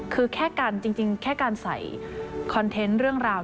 คือแค่กันจริงแค่การใส่คอนเทนต์เรื่องราว